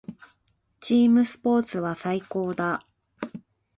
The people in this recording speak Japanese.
チームスポーツは最高だ。